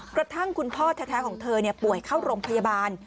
กระทั่งคุณพ่อแท้ของเธอป่วยเข้าโรงพยาบาล